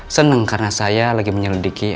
senang karena saya lagi menyelidiki